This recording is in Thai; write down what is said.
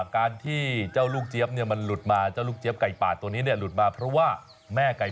ไก่ไก่ไก่ไก่ไก่ไก่ไก่ไก่ไก่ไก่ไก่ไก่ไก่ไก่ไก่